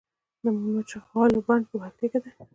د مچالغو بند په پکتیا کې دی